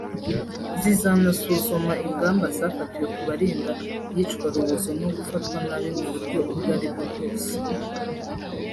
zizanasuzuma ingamba zafatiwe kubarinda iyicwarubozo no gufatwa nabi mu buryo ubwo ari bwo bwose